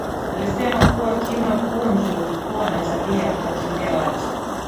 Alisema kuwa Kima punju huwa anatabia ya kuwakimbia watu